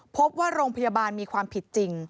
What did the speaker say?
พบว่าโรงพยาบาลมีความผิดจริง